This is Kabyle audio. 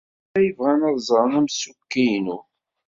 Maɣef ay bɣan ad ẓren amsukki-inu?